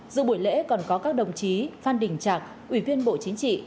dự buổi lễ còn có các đồng chí phan đình trạc ủy viên bộ chính trị